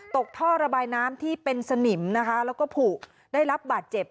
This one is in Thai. ท่อระบายน้ำที่เป็นสนิมนะคะแล้วก็ผูกได้รับบาดเจ็บ